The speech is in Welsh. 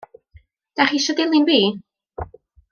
Dach chi isio dilyn fi?